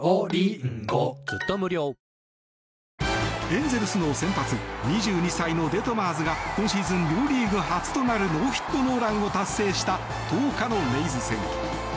エンゼルスの先発２２歳のデトマーズが今シーズン両リーグ初となるノーヒットノーランを達成した１０日のレイズ戦。